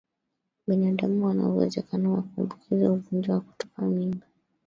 Binadamu wana uwezekano wa kuambukizwa ugonjwa wa kutupa mimba